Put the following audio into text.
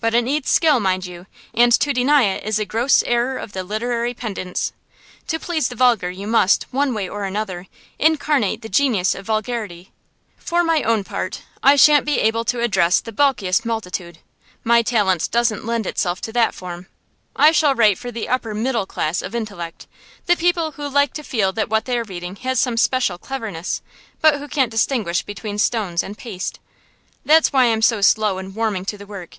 But it needs skill, mind you: and to deny it is a gross error of the literary pedants. To please the vulgar you must, one way or another, incarnate the genius of vulgarity. For my own part, I shan't be able to address the bulkiest multitude; my talent doesn't lend itself to that form. I shall write for the upper middle class of intellect, the people who like to feel that what they are reading has some special cleverness, but who can't distinguish between stones and paste. That's why I'm so slow in warming to the work.